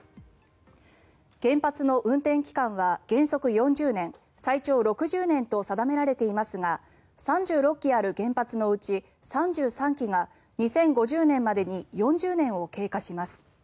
原発の運転期間は原則４０年最長６０年と定められていますが３６基ある原発のうち３３基が２０５０年までに４０年を経過します。